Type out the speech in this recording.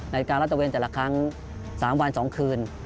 ในการละตะเวียนแต่ละครั้ง๓วัน๒คืน